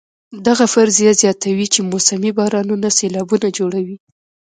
دغه فرضیه زیاتوي چې موسمي بارانونه سېلابونه جوړوي.